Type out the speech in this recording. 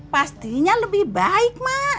pastinya lebih baik mak